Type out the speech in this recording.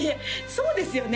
そうですよね